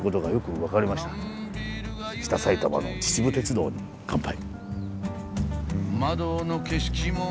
北埼玉の秩父鉄道に乾杯。